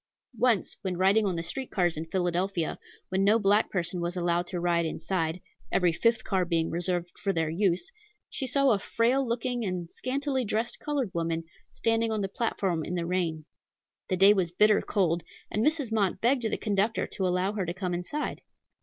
Once when riding on the street cars in Philadelphia, when no black person was allowed to ride inside, every fifth car being reserved for their use, she saw a frail looking and scantily dressed colored woman, standing on the platform in the rain. The day was bitter cold, and Mrs. Mott begged the conductor to allow her to come inside.